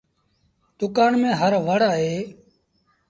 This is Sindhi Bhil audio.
دُڪآن ميݩ هر وڙ اهي۔